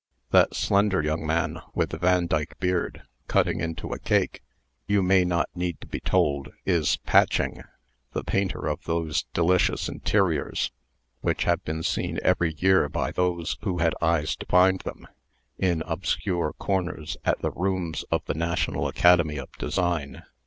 "That slender young man with the Vandyke beard, cutting into a cake, you may not need to be told, is Patching, the painter of those delicious interiors which have been seen every year by those who had eyes to find them, in obscure corners at the rooms of the National Academy of Design.